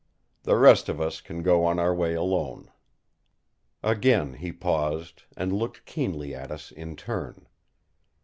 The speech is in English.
The rest of us can go on our way alone!" Again he paused, and looked keenly at us in turn.